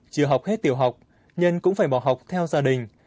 chưa học hết tiểu học nhân cũng phải bỏ học theo gia đình